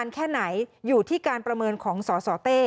การประเมินของสอสอเต้